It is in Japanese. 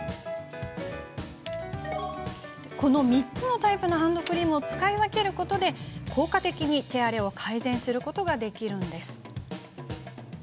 この３つのタイプのハンドクリームを使い分けることで効果的に、手荒れを改善することができるんです。